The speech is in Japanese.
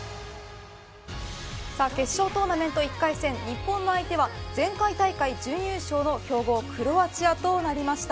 さあ決勝トーナメント１回戦日本の相手は前回大会準優勝の強豪クロアチアとなりました。